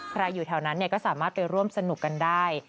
อยู่แถวนั้นก็สามารถไปร่วมสนุกกันได้